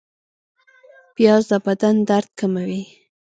پیاز د بدن درد کموي